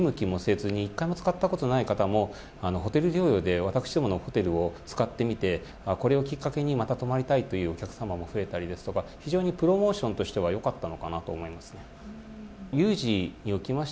今までアパホテルを見向きもせずに１回も使ったことがない方もホテル療養で私どものホテルを使ってみてこれをきっかけにまた泊まりたいというお客さまも増えたりですとか非常にプロモーションとしてはよかったのかなと思います。